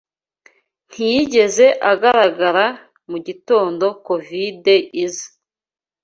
Ntiyigeze agaragara mu gitondo covide iza.